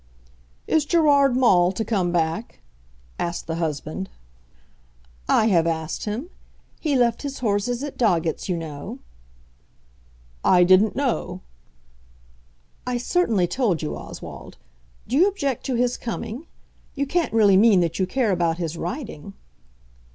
"Is Gerard Maule to come back?" asked the husband. "I have asked him. He left his horses at Doggett's, you know." "I didn't know." "I certainly told you, Oswald. Do you object to his coming? You can't really mean that you care about his riding?"